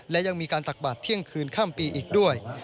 และยังมีการตักบาทเที่ยงคืนข้ามปีอีกด้วย